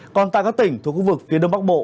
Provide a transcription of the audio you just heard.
còn tại các tỉnh thuộc khu vực phía đông bắc bộ